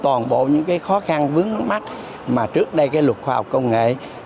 toàn bộ những cái khó khăn vướng mắt mà trước đây cái luật khoa học công nghệ